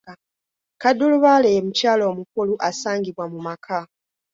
Kaddulubaale ye mukyala omukulu asangibwa mu maka.